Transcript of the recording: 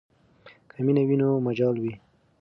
که مینه وي نو مجال وي.